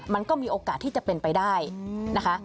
มันก็มีโอกาสที่จะเป็นไปได้นะคะ